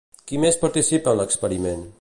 Qui més participa en l'experiment?